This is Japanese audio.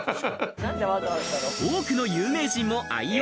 多くの有名人も愛用。